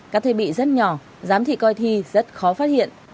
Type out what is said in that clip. các thiết bị rất nhỏ giám thị coi thi rất khó phát hiện